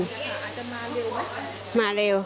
อาจจะมาเร็วไหม